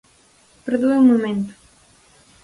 ¡Perdoe un momento!